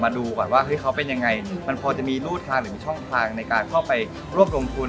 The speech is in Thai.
ดูก่อนว่าเฮ้ยเขาเป็นยังไงมันพอจะมีรูดทางหรือมีช่องทางในการเข้าไปรวบรวมทุน